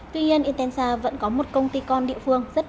tuy nhiên intensa vẫn có một công ty con địa phương rất nhỏ ở nga